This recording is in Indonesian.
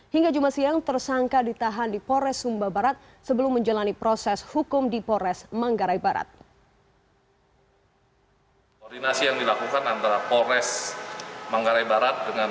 hingga jumat siang tersangka ditahan di pores sumba barat sebelum menjalani proses hukum di polres manggarai barat